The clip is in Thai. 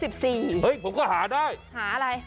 ผมก็หาได้หาอะไร